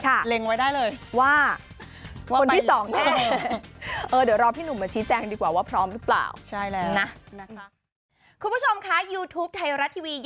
ค่ะว่าคนที่สองได้เลยเล็งไว้ได้เลย